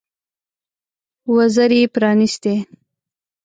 وزرې یې پرانيستې.